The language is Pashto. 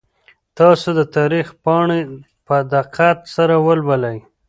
تاسو د تاریخ پاڼې په دقت سره ولولئ.